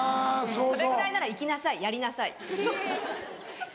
「それぐらいなら行きなさいやりなさい」。